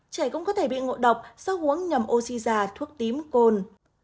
trẻ cũng có thể bị ngộ độc do uống nhầm oxy già thuốc tím côn